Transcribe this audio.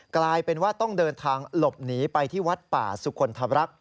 กลายเป็นว่าต้องเดินทางหลบหนีไปที่วัดป่าสุคลธรรมรักษ